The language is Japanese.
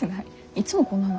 いつもこんななの？